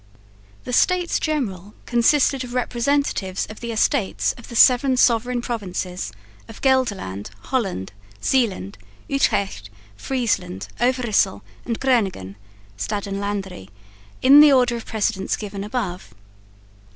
The States General consisted of representatives of the Estates of the seven sovereign provinces of Gelderland, Holland, Zeeland, Utrecht, Friesland, Overyssel, and Groningen (Stad en Landeri) in the order of precedence given above.